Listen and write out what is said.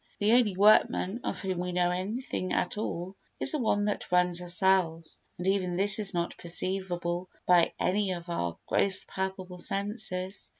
The only workman of whom we know anything at all is the one that runs ourselves and even this is not perceivable by any of our gross palpable senses.